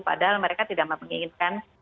padahal mereka tidak meminginkan